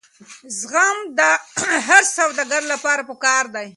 زغم د هر سوداګر لپاره پکار دی.